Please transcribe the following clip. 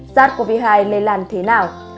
sars cov hai lây làn thế nào